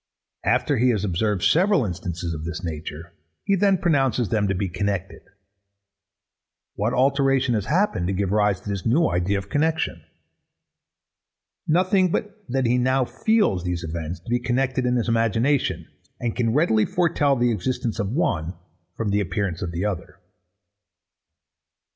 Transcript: After he has observed several instances of this nature, he then pronounces them to be connected. What alteration has happened to give rise to this new idea of connexion? Nothing but that he now feels these events to be connected in his imagination, and can readily foretell the existence of one from the appearance of the other.